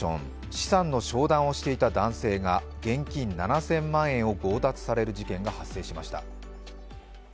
資産の商談をしていた男性が現金７０００万円を強奪される事件が発生しました。